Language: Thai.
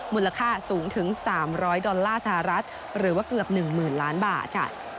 มูลค่าสูงถึง๓๐๐ดอลลาร์สหรัฐหรือว่าเกือบ๑๐๐๐ล้านบาทค่ะ